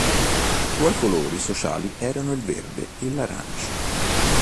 Suoi colori sociali erano il verde e l'arancio.